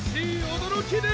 驚きです！